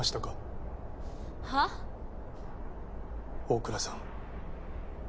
大倉さん。